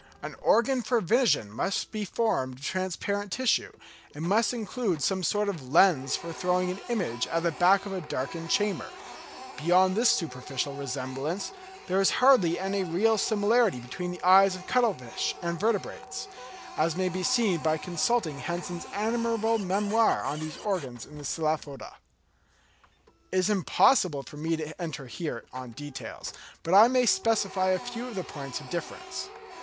An organ for vision must be formed of transparent tissue, and must include some sort of lens for throwing an image at the back of a darkened chamber. Beyond this superficial resemblance, there is hardly any real similarity between the eyes of cuttle fish and vertebrates, as may be seen by consulting Hensen's admirable memoir on these organs in the Cephalopoda. It is impossible for me here to enter on details, but I may specify a few of the points of difference.